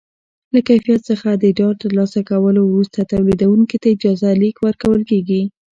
له کیفیت څخه د ډاډ ترلاسه کولو وروسته تولیدوونکي ته اجازه لیک ورکول کېږي.